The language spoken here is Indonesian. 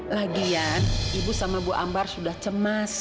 lagian ibu sama bu ambar sudah cemas